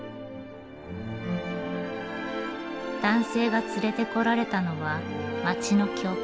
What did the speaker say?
男性が連れてこられたのは町の教会。